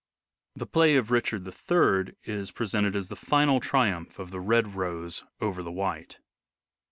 The play of " Richard III " is presented as the final triumph of the red rose over the white.